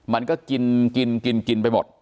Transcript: มันก็กินกินไปหมด